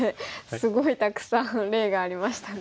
すごいたくさん例がありましたね。